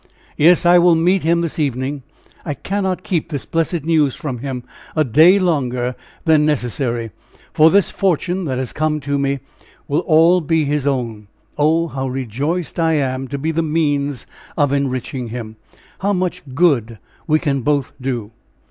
"Yes; I will meet him this evening; I cannot keep this blessed news from him a day longer than necessary, for this fortune that has come to me will all be his own! Oh, how rejoiced I am to be the means of enriching him! How much good we can both do!"